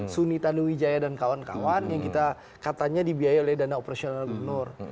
suni tanuwijaya dan kawan kawan yang kita katanya dibiayai oleh dana operasional gubernur